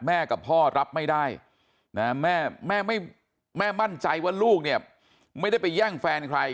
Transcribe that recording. กับพ่อรับไม่ได้นะแม่มั่นใจว่าลูกเนี่ยไม่ได้ไปแย่งแฟนใคร